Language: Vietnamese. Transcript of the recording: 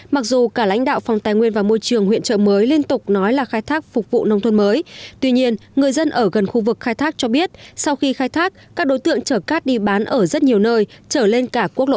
mặc dù cả lãnh đạo phòng tài nguyên và môi trường huyện trợ mới liên tục nói là khai thác phục vụ nông thôn mới tuy nhiên người dân ở gần khu vực khai thác cho biết sau khi khai thác các đối tượng chở cát đi bán ở rất nhiều nơi trở lên cả quốc lộ một